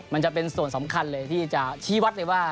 มันจะเป็นส่วนสำคัญเลยที่จะชี้วัดเลยว่า